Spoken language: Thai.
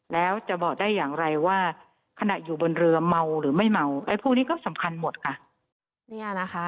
แล้วจะบอกได้อย่างไรว่าขณะอยู่บนเรือเมาหรือไม่เมาไอ้พวกนี้ก็สำคัญหมดค่ะ